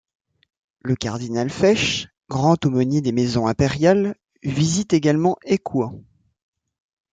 Le cardinal Fesch, grand aumônier des Maisons impériales, visite également Écouen.